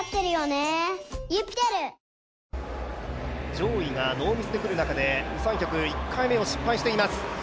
上位がノーミスでくる中で、ウ・サンヒョク１回目を失敗しています。